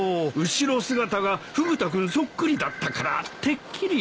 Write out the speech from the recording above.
後ろ姿がフグ田君そっくりだったからてっきり。